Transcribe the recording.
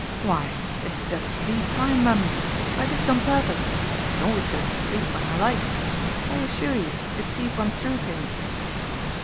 "Why it's just THE time, mummy. I did it on purpose. I can always go to sleep when I like. I assure you it sees one through things!"